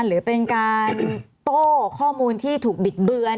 หรือเป็นการโต้ข้อมูลที่ถูกบิดเบือน